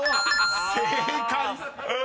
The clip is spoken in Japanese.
［正解！］